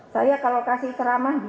saya kalau kasih ceramah bisa dua jam